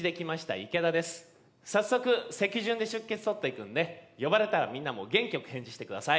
早速席順で出欠取っていくんで呼ばれたらみんなも元気よく返事してください。